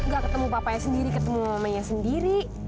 gak ketemu papanya sendiri ketemu mamanya sendiri